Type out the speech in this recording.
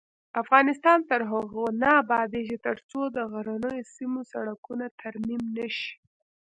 افغانستان تر هغو نه ابادیږي، ترڅو د غرنیو سیمو سړکونه ترمیم نشي.